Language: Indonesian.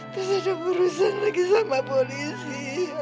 terus ada urusan lagi sama polisi